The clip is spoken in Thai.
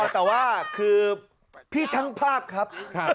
แต่ว่าคือพี่ช่างภาพครับ